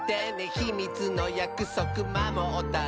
「ひみつのやくそくまもったら」